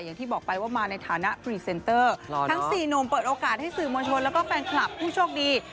อย่างที่บอกไปว่ามาในฐานะพรีเซนเตอร์ทั้ง๔หนุ่มเปิดโอกาสให้สื่อมวลชนแล้วก็แฟนคลับผู้โชคดี